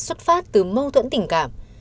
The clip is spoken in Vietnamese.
xuất phát từ mâu thuẫn tình cảm